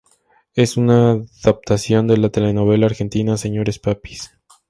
Es una adaptación de la telenovela argentina "Señores papis".